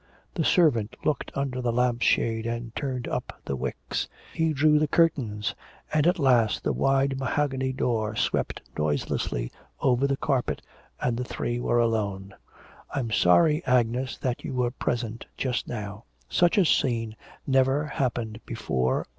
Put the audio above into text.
The servant looked under the lamp's shade and turned up the wicks; he drew the curtains, and at last the wide mahogany door swept noiselessly over the carpet, and the three were alone. 'I'm sorry, Agnes, that you were present just now. Such a scene never happened before.